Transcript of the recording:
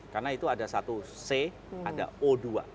karena itu ada satu c ada o dua